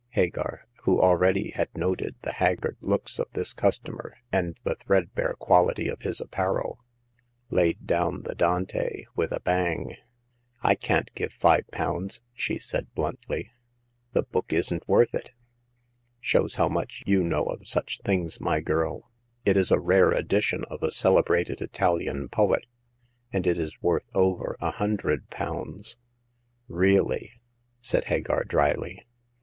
Hagar, who already had noted the haggard looks of this customer, and the threadbare quality of his apparel, laid down the Dante with a bang. I can't give five pounds," she said, bluntly. '' The book isn't worth it !"^_." Sbpws how much you kuow oi sucK thin^s^ 38 Hagar of the Pawn Shop. my girl ! It is a rare edition of a celebrated Italian poet, and ,it is worth over a hundred pounds." " Really ?" said Hagar, dryly.